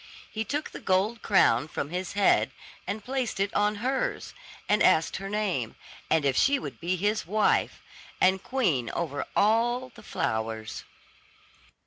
He took the gold crown from his head, and placed it on hers, and asked her name, and if she would be his wife, and queen over all the flowers.